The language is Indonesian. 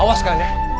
awas kak anja